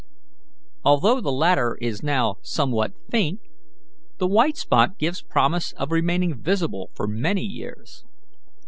Although the latter is now somewhat faint, the white spot gives promise of remaining visible for many years.